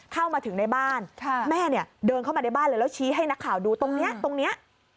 เข้ามาถึงในบ้านแม่เนี่ยเดินเข้ามาในบ้านเลยแล้วชี้ให้นักข่าวดูตรงนี้ตรงนี้